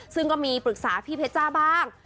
ซึ่งก็มีปรึกษาพี่เพชรจ้าบ้าง